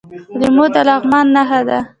لیمو د لغمان نښه ده.